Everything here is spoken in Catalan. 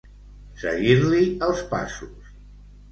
Seguir-li els passos.